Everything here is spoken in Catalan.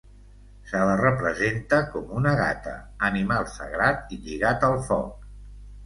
Se la representa com una gata, animal sagrat i lligat al foc.